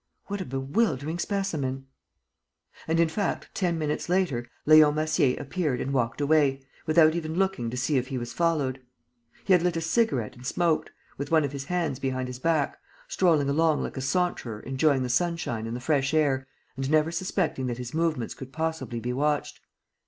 What a bewildering specimen!" And, in fact, ten minutes later, Leon Massier appeared and walked away, without even looking to see if he was followed. He had lit a cigarette and smoked, with one of his hands behind his back, strolling along like a saunterer enjoying the sunshine and the fresh air and never suspecting that his movements could possibly be watched.